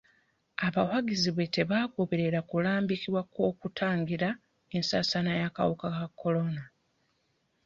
Abawagizi be tebaagoberera kulambikibwa kw'okutangira ensaasaana y'akawuka ka kolona.